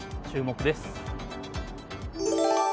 注目です。